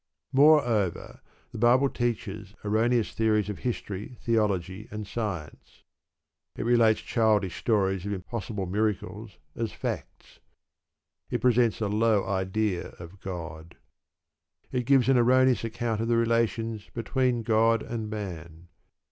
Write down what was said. Moreover, the Bible teaches erroneous theories of history, theology, and science. It relates childish stories of impossible miracles as facts. It presents a low idea of God. It gives an erroneous account of the relations between God and man.